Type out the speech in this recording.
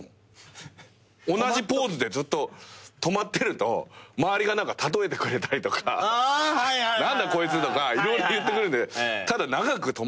同じポーズでずっと止まってると周りが例えてくれたりとか「何だこいつ」とか色々言ってくれるんでただ長く止まるっていうのでごまかしてます